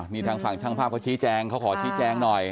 นี่ทางฝั่งช่างภาพเขาชี้แจงเขาขอชี้แจงหน่อย